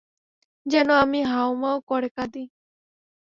যেন আমি হাউমাউ করে কাঁদি।